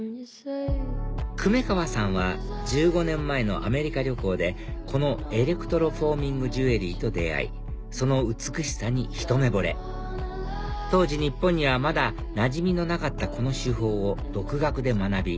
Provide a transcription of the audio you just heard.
粂川さんは１５年前のアメリカ旅行でこのエレクトロフォーミングジュエリーと出会いその美しさにひと目ぼれ当時日本にはまだなじみのなかったこの手法を独学で学び